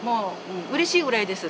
うれしいぐらいです。